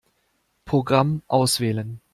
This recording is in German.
Programm auswählen.